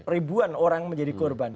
ribuan orang menjadi korban